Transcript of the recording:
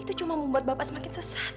itu cuma membuat bapak semakin sesat